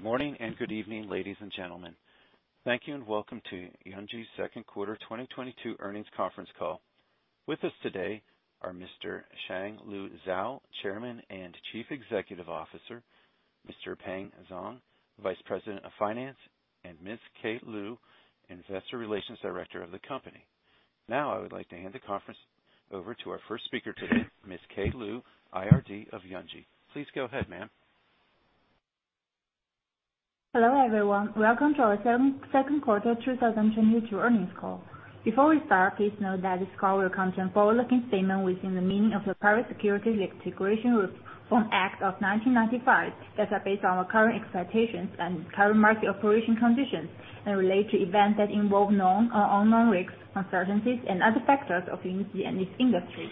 Good morning and good evening, ladies and gentlemen. Thank you and welcome to Yunji's second quarter 2022 earnings conference call. With us today are Mr. Shanglue Xiao, Chairman and Chief Executive Officer, Mr. Peng Zhang, Vice President of Finance, and Ms. Kaye Liu, Investor Relations Director of the company. Now I would like to hand the conference over to our first speaker today, Ms. Kaye Liu, IRD of Yunji. Please go ahead, ma'am. Hello everyone. Welcome to our second quarter 2022 earnings call. Before we start, please note that this call will contain forward-looking statements within the meaning of the Private Securities Litigation Reform Act of 1995 that are based on our current expectations and current market operation conditions and relate to events that involve known or unknown risks, uncertainties and other factors affecting Yunji and its industry.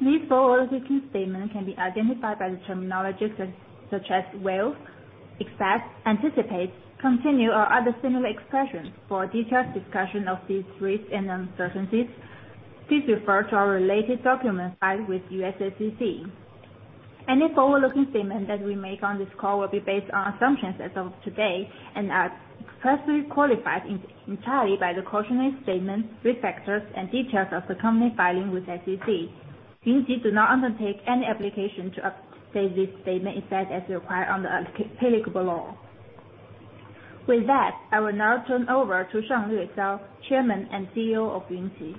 These forward-looking statements can be identified by the terminology such as will, expect, anticipate, continue or other similar expressions. For a detailed discussion of these risks and uncertainties, please refer to our related documents filed with U.S. SEC. Any forward-looking statement that we make on this call will be based on assumptions as of today and are expressly qualified entirely by the cautionary statements, risk factors, and details of the company's filing with SEC. Yunji does not undertake any obligation to update this statement except as required under applicable law. With that, I will now turn over to Shanglue Xiao, Chairman and CEO of Yunji.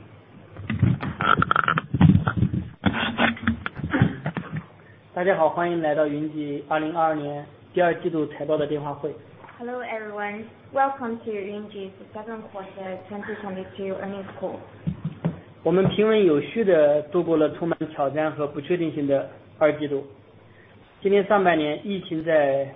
Hello, everyone. Welcome to Yunji's second quarter 2022 earnings call. During the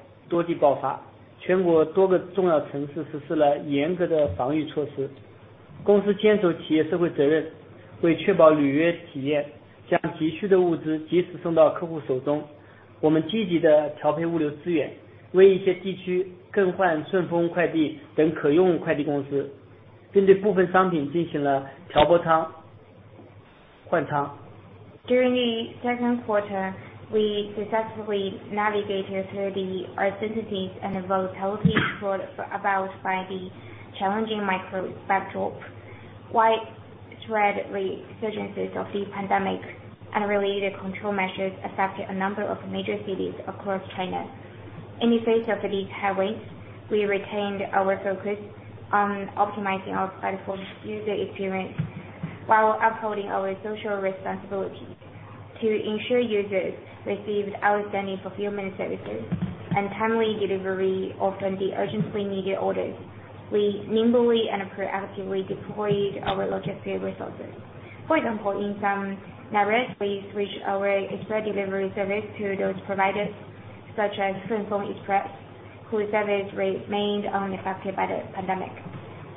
second quarter, we successfully navigated through the uncertainties and the volatility caused by the challenging macro backdrop. Widespread resurgences of the pandemic and related control measures affected a number of major cities across China. In the face of these headwinds, we retained our focus on optimizing our platform's user experience while upholding our social responsibility. To ensure users received outstanding fulfillment services and timely delivery of the urgently needed orders, we nimbly and proactively deployed our logistics resources. For example, in some networks, we switched our express delivery service to those providers such as SF Express, whose service remained unaffected by the pandemic.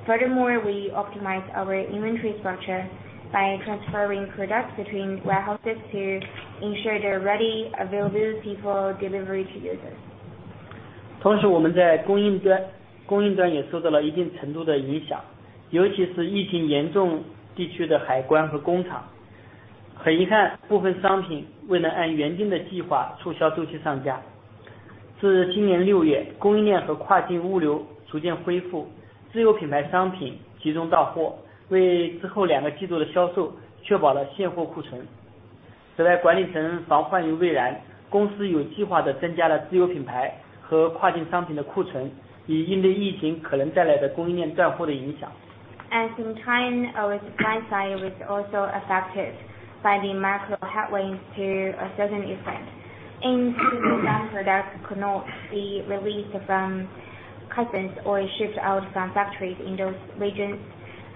Furthermore, we optimized our inventory structure by transferring products between warehouses to ensure they're readily available for delivery to users. As in China, our supply side was also affected by the macro headwinds to a certain extent. In particular, some products could not be released from customs or shipped out from factories in those regions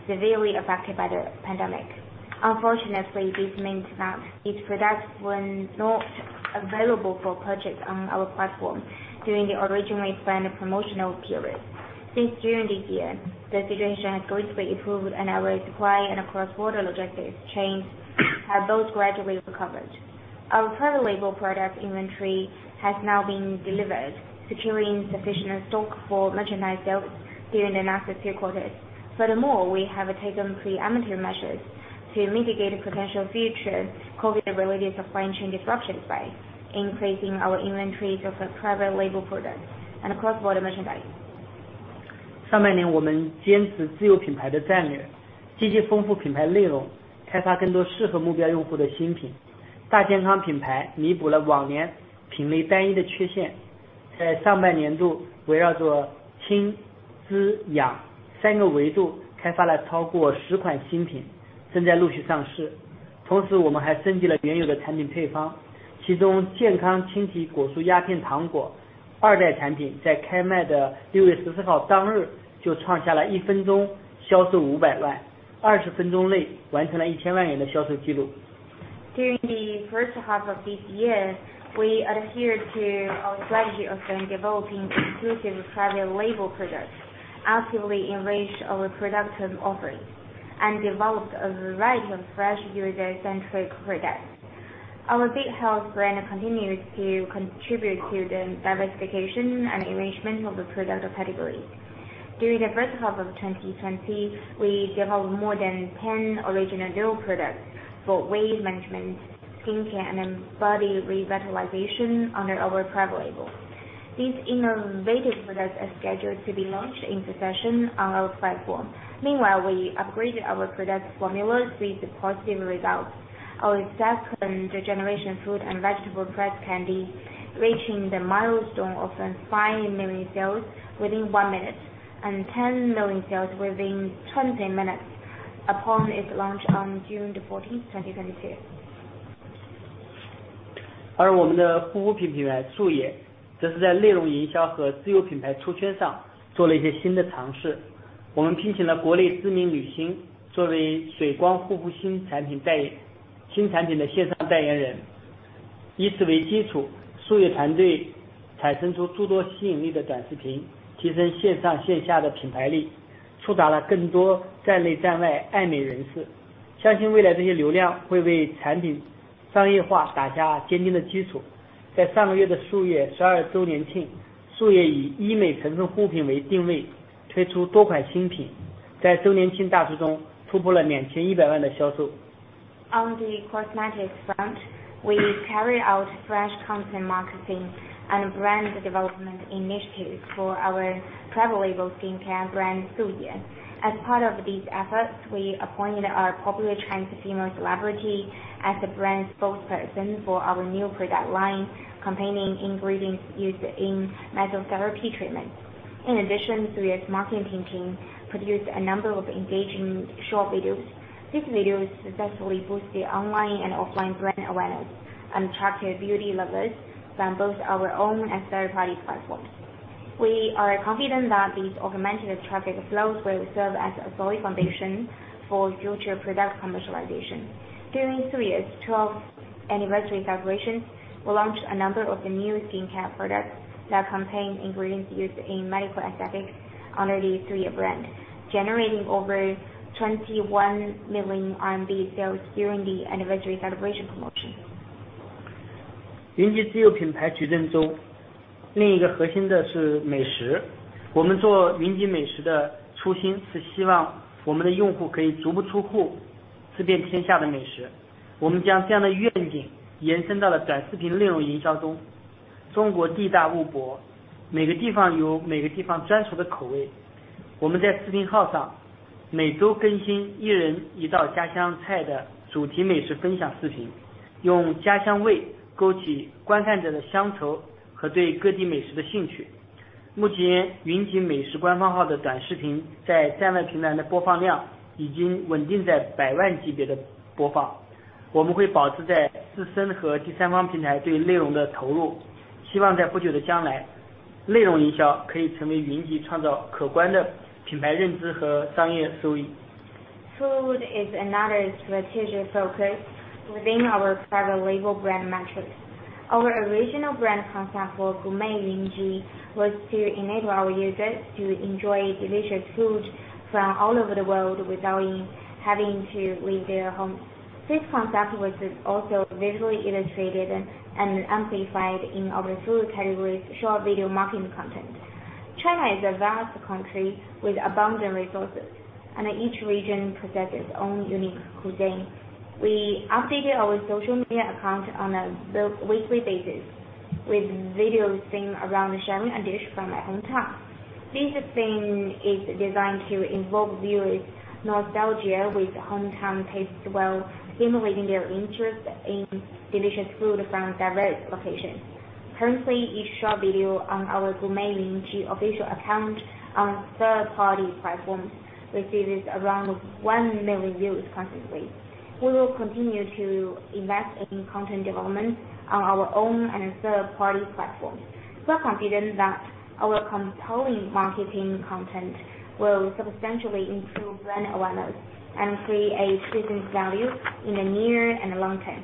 severely affected by the pandemic. Unfortunately, this meant that these products were not available for purchase on our platform during the originally planned promotional period. Since June this year, the situation has greatly improved and our supply and cross-border logistics chains have both gradually recovered. Our private label product inventory has now been delivered, securing sufficient stock for merchandise sales during the next few quarters. Furthermore, we have taken preemptive measures to mitigate potential future COVID-related supply chain disruptions by increasing our inventories of our private label products and cross-border merchandise. During the first half of this year, we adhered to our strategy of developing inclusive private label products, actively enriched our product offerings, and developed a variety of fresh user-centric products. Our big health brand continues to contribute to the diversification and enrichment of the product category. During the first half of 2020, we developed more than 10 original new products for weight management, skincare and body revitalization under our private label. These innovative products are scheduled to be launched in succession on our platform. Meanwhile, we upgraded our product formulas with positive results. Our second generation fruit and vegetable fresh candy, reaching the milestone of 5 million sales within 1 minute and 10 million sales within 20 minutes upon its launch on June 14th, 2022. 2,100万的销售。On the cosmetics front, we carry out fresh content marketing and brand development initiatives for our private label skincare brand SUYE. As part of these efforts, we appointed a popular Chinese female celebrity as the brand spokesperson for our new product line containing ingredients used in mesotherapy treatment. In addition, SUYE's marketing team produced a number of engaging short videos. These videos successfully boost the online and offline brand awareness and attracted beauty lovers from both our own and third party platforms. We are confident that these augmented traffic flows will serve as a solid foundation for future product commercialization. During SUYE's 12th anniversary celebrations, we launched a number of new skincare products that contain ingredients used in medical aesthetics under the SUYE brand, generating over 21 million RMB sales during the anniversary celebration promotion. Food is another strategic focus within our private label brand matrix. Our original brand concept for Gourmet Yunji was to enable our users to enjoy delicious food from all over the world without having to leave their home. This concept was also visually illustrated and amplified in our food categories short video marketing content. China is a vast country with abundant resources and each region possesses its own unique cuisine. We updated our social media account on a weekly basis with videos themed around sharing a dish from my hometown. This theme is designed to invoke viewers' nostalgia with hometown tastes, while stimulating their interest in delicious food from diverse locations. Currently, each short video on our Gourmet Yunji official account on third-party platforms receives around 1 million views constantly. We will continue to invest in content development on our own and third-party platforms. We are confident that our compelling marketing content will substantially improve brand awareness and create a business value in the near and long term.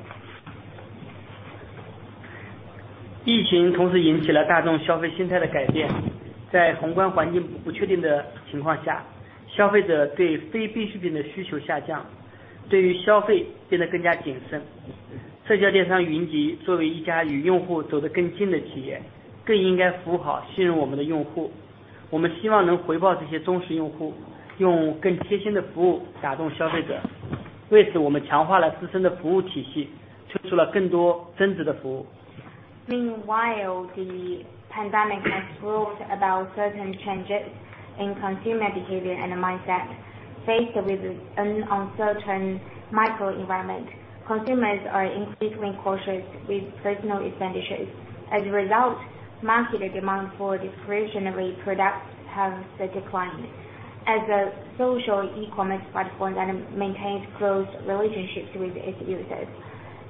疫情同时引起了大众消费心态的改变。在宏观环境不确定的情况下，消费者对非必需品的需求下降，对于消费变得更加谨慎。社交电商云集作为一家与用户走得更近的企业，更应该服务好信任我们的用户。我们希望能回报这些忠实用户，用更贴心的服务打动消费者。为此，我们强化了自身的服务体系，推出了更多增值的服务。Meanwhile, the pandemic has brought about certain changes in consumer behavior and mindset. Faced with an uncertain macro environment, consumers are increasingly cautious with personal expenditures. As a result, market demand for discretionary products has declined. As a social e-commerce platform that maintains close relationships with its users,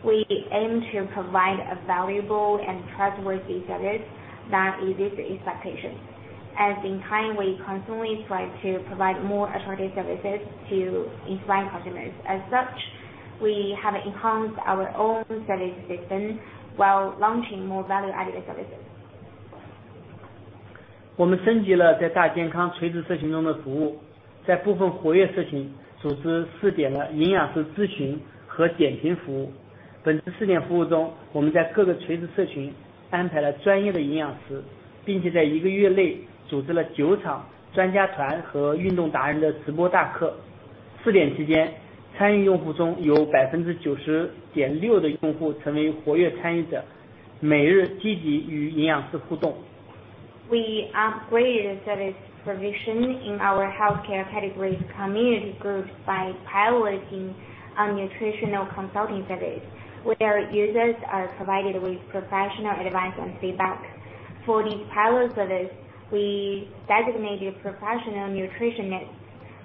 we aim to provide a valuable and trustworthy service that meets the expectations. At the same time, we constantly strive to provide more authority services to inspire customers. As such, we have enhanced our own service system while launching more value-added services. 我们升级了在大健康垂直社区中的服务，在部分活跃社群组织试点了营养师咨询和点评服务。本次试点服务中，我们在各个垂直社群安排了专业的营养师，并且在一个月内组织了九场专家团和运动达人的直播大课。试点期间，参与用户中有90.6%的用户成为活跃参与者，每日积极与营养师互动。We upgraded service provision in our healthcare category community groups by piloting a nutritional consulting service where users are provided with professional advice and feedback. For these pilot service, we designated professional nutritionists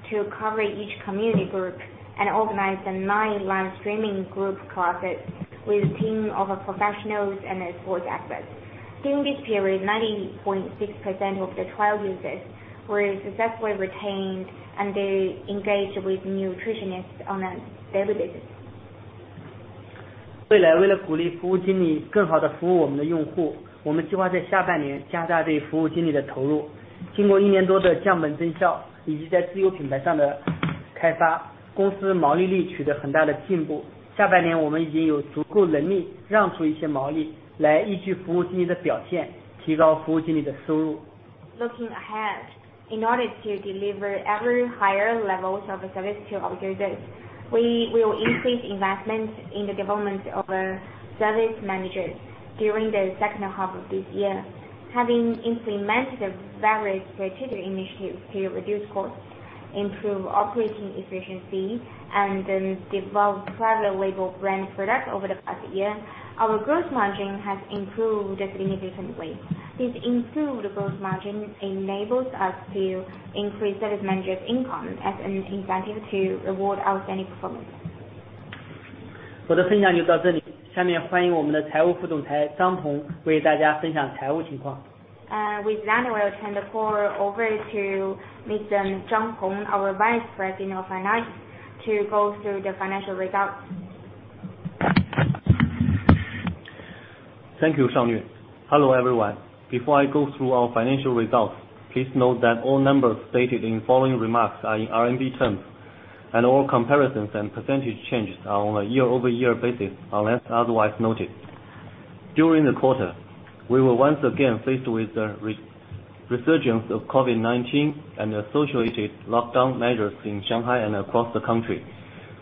to cover each community group and organized nine live streaming group classes with a team of professionals and sports experts. During this period, 90.6% of the trial users were successfully retained and they engaged with nutritionists on a daily basis. 未来为了鼓励服务经理更好地服务我们的用户，我们计划在下半年加大对服务经理的投入。经过一年多的降本增效，以及在自有品牌上的开发，公司毛利率取得很大的进步。下半年我们已经有足够能力让出一些毛利来依据服务经理的表现，提高服务经理的收入。Looking ahead, in order to deliver ever higher levels of service to our users, we will increase investment in the development of our service managers during the second half of this year. Having implemented various strategic initiatives to reduce costs, improve operating efficiency, and develop private label brand products over the past year, our gross margin has improved significantly. This improved gross margin enables us to increase service managers' income as an incentive to reward outstanding performance. 我的分享就到这里。下面欢迎我们的财务副总裁张鹏为大家分享财务情况。With that, I will turn the call over to Mr. Peng Zhang, our Vice President of Finance, to go through the financial results. Thank you, Shanglue Xiao. Hello, everyone. Before I go through our financial results, please note that all numbers stated in following remarks are in RMB terms, and all comparisons and percentage changes are on a year-over-year basis unless otherwise noted. During the quarter, we were once again faced with the resurgence of COVID-19 and associated lockdown measures in Shanghai and across the country.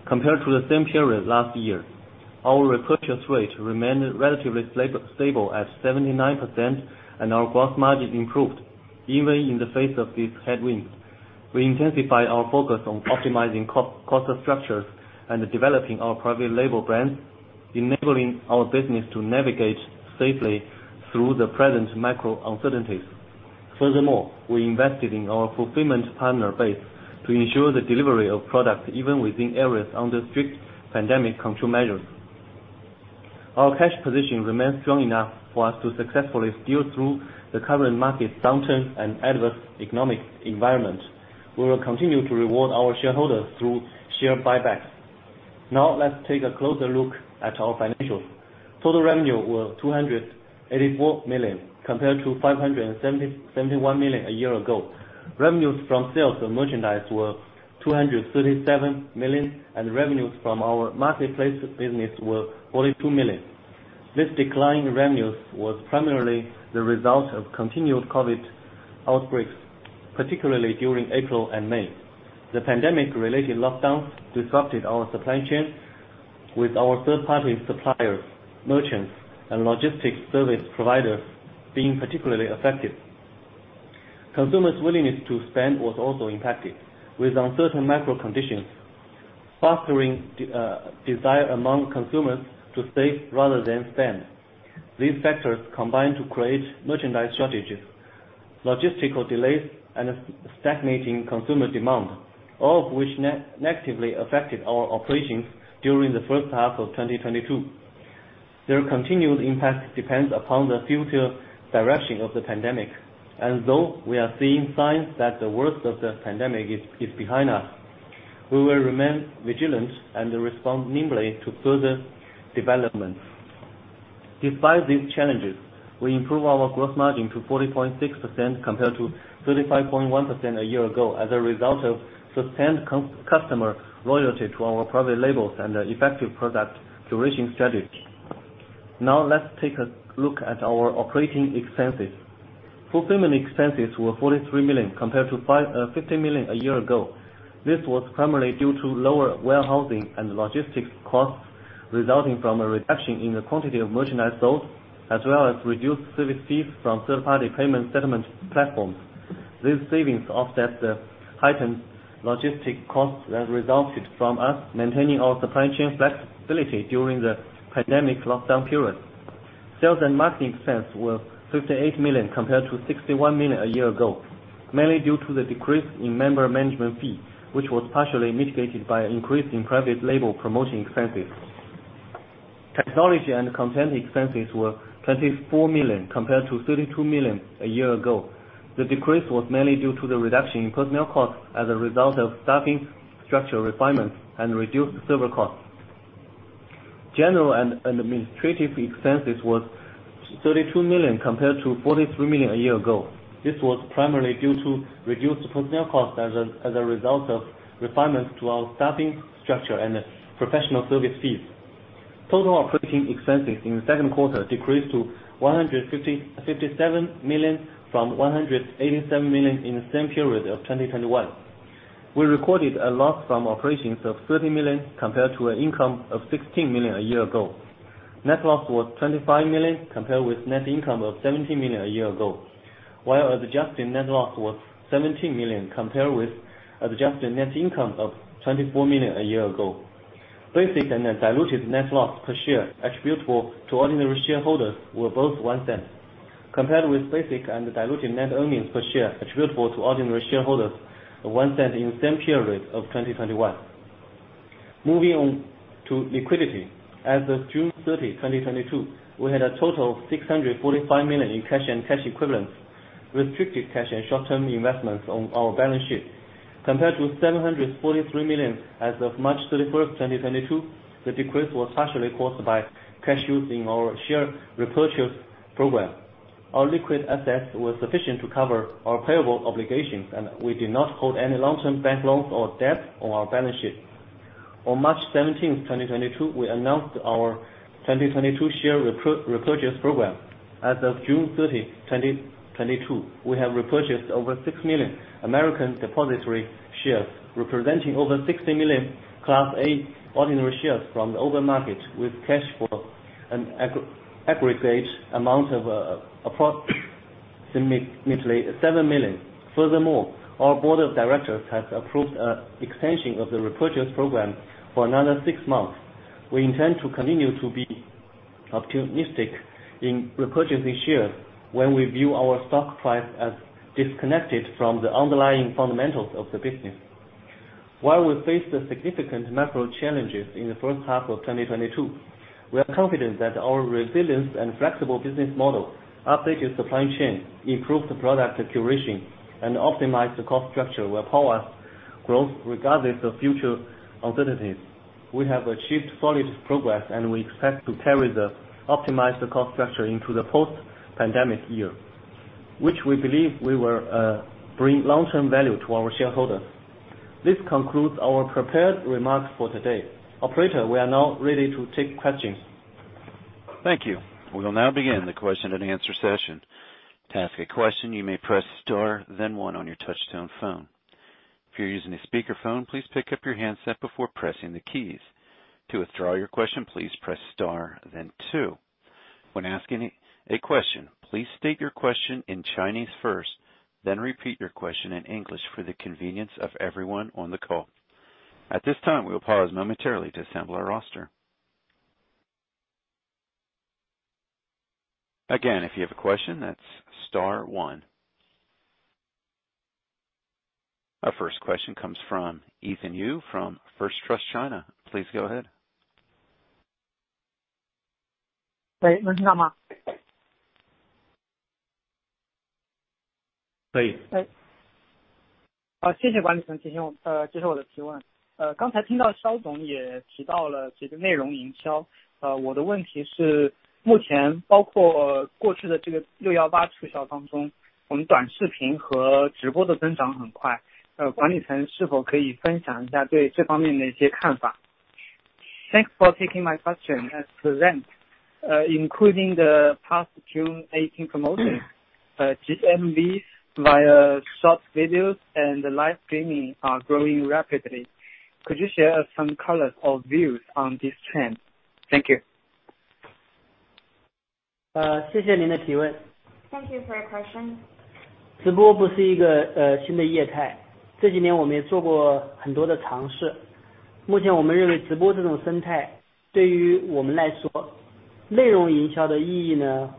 Compared to the same period last year, our repurchase rate remained relatively stable at 79%, and our gross margin improved even in the face of these headwinds. We intensified our focus on optimizing cost structures and developing our private label brands, enabling our business to navigate safely through the present macro uncertainties. Furthermore, we invested in our fulfillment partner base to ensure the delivery of products even within areas under strict pandemic control measures. Our cash position remains strong enough for us to successfully steer through the current market downturn and adverse economic environment. We will continue to reward our shareholders through share buybacks. Now let's take a closer look at our financials. Total revenue was 284 million, compared to 571 million a year ago. Revenues from sales and merchandise were 237 million, and revenues from our marketplace business were 42 million. This decline in revenues was primarily the result of continued COVID outbreaks, particularly during April and May. The pandemic-related lockdowns disrupted our supply chain with our third-party suppliers, merchants, and logistics service providers being particularly affected. Consumers' willingness to spend was also impacted, with uncertain macro conditions fostering desire among consumers to save rather than spend. These factors combined to create merchandise shortages, logistical delays, and a stagnating consumer demand, all of which negatively affected our operations during the first half of 2022. Their continued impact depends upon the future direction of the pandemic. Though we are seeing signs that the worst of the pandemic is behind us, we will remain vigilant and respond nimbly to further developments. Despite these challenges, we improved our gross margin to 40.6% compared to 35.1% a year ago as a result of sustained customer loyalty to our private labels and effective product curation strategies. Now let's take a look at our operating expenses. Fulfillment expenses were 43 million compared to 50 million a year ago. This was primarily due to lower warehousing and logistics costs resulting from a reduction in the quantity of merchandise sold, as well as reduced service fees from third-party payment settlement platforms. These savings offset the heightened logistic costs that resulted from us maintaining our supply chain flexibility during the pandemic lockdown period. Sales and marketing expense were 58 million compared to 61 million a year ago, mainly due to the decrease in member management fee, which was partially mitigated by an increase in private label promotion expenses. Technology and content expenses were 24 million compared to 32 million a year ago. The decrease was mainly due to the reduction in personnel costs as a result of staffing structure refinements and reduced server costs. General and administrative expenses was 32 million compared to 43 million a year ago. This was primarily due to reduced personnel costs as a result of refinements to our staffing structure and professional service fees. Total operating expenses in the second quarter decreased to 157 million from 187 million in the same period of 2021. We recorded a loss from operations of 30 million compared to an income of 16 million a year ago. Net loss was 25 million, compared with net income of 17 million a year ago. While adjusted net loss was 17 million, compared with adjusted net income of 24 million a year ago. Basic and diluted net loss per share attributable to ordinary shareholders were both $0.01, compared with basic and diluted net earnings per share attributable to ordinary shareholders of $0.01 in the same period of 2021. Moving on to liquidity. As of June 30, 2022, we had a total of 645 million in cash and cash equivalents, restricted cash and short-term investments on our balance sheet. Compared to 743 million as of March 31, 2022, the decrease was partially caused by cash used in our share repurchase program. Our liquid assets were sufficient to cover our payable obligations, and we did not hold any long-term bank loans or debt on our balance sheet. On March 17, 2022, we announced our 2022 share repurchase program. As of June 30, 2022, we have repurchased over 6 million American depository shares, representing over 60 million Class A ordinary shares from the open market with cash for an aggregate amount of approximately $7 million. Furthermore, our board of directors has approved an extension of the repurchase program for another six months. We intend to continue to be opportunistic in repurchasing shares when we view our stock price as disconnected from the underlying fundamentals of the business. While we face the significant macro challenges in the first half of 2022, we are confident that our resilience and flexible business model, updated supply chain, improved product curation, and optimized cost structure will power growth regardless of future alternatives. We have achieved solid progress, and we expect to carry the optimized cost structure into the post-pandemic year, which we believe we will bring long-term value to our shareholders. This concludes our prepared remarks for today. Operator, we are now ready to take questions. Thank you. We will now begin the question and answer session. To ask a question, you may press star then one on your touch-tone phone. If you're using a speakerphone, please pick up your handset before pressing the keys. To withdraw your question, please press star then two. When asking a question, please state your question in Chinese first, then repeat your question in English for the convenience of everyone on the call. At this time, we will pause momentarily to assemble our roster. Again, if you have a question, that's star one. Our first question comes from Ethan Yu from First Trust China. Please go ahead. Thank you for taking my question. At present, including the past June 18, 2022 promotion, GMVs via short videos and live streaming are growing rapidly. Could you share some colors or views on this trend? Thank you. Thank you for your question. Thank you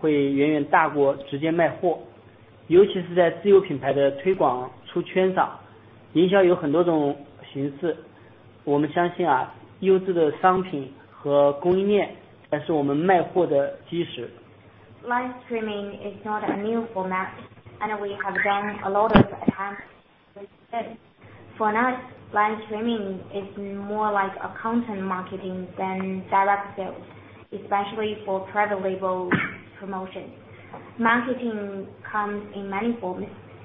for your question. Live streaming is not a new format and we have done a lot of attempts with it. For us, live streaming is more like a content marketing than direct sales, especially for private label promotions.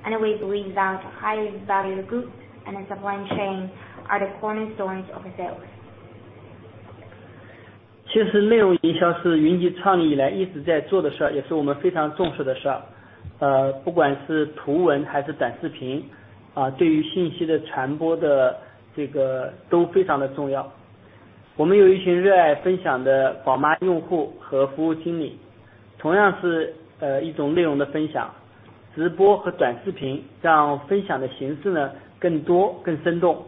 Marketing comes in many forms, and we believe that highly valued goods and the supply chain are the cornerstones of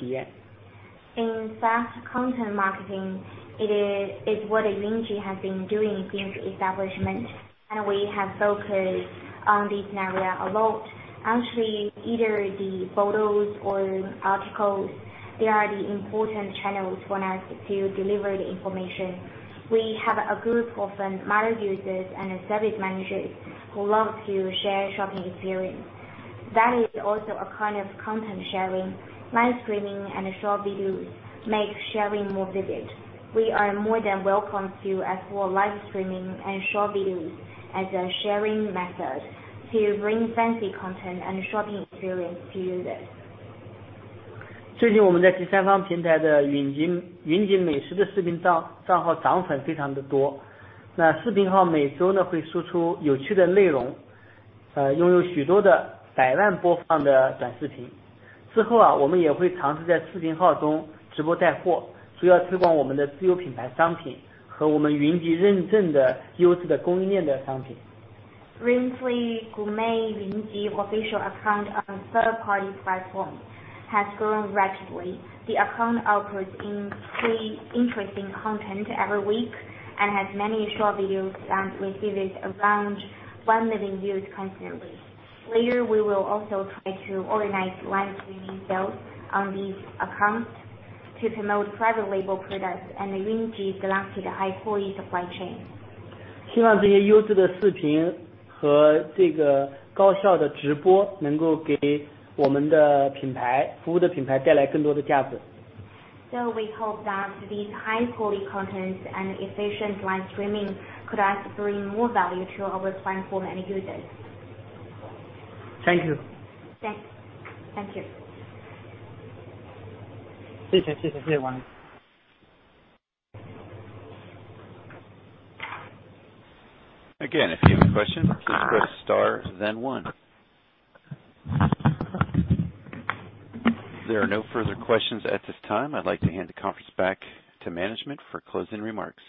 sales. In fact, content marketing, it is what Yunji has been doing since establishment, and we have focused on this area a lot. Actually, either the photos or articles. They are the important channels for us to deliver the information. We have a group of marketing users and service managers who love to share shopping experience. That is also a kind of content sharing. Live streaming and short videos make sharing more vivid. We are more than welcome to explore live streaming and short videos as a sharing method to bring fancy content and shopping experience to users. Recently, Yunji Gourmet Yunji official account on third-party platform has grown rapidly. The account outputs interesting content every week and has many short videos that receives around 1 million views constantly. Later, we will also try to organize live streaming sales on these accounts to promote private-label products and Yunji-selected high-quality supply chain. We hope that these high-quality contents and efficient live streaming could actually bring more value to our platform and users. Thank you. Thanks. Thank you. Again, if you have a question, please press star then one. There are no further questions at this time. I'd like to hand the conference back to management for closing remarks.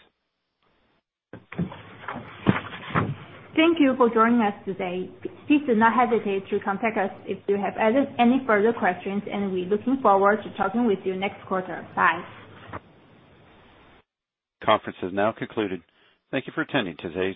Thank you for joining us today. Please do not hesitate to contact us if you have any further questions, and we're looking forward to talking with you next quarter. Bye. Conference is now concluded. Thank you for attending today.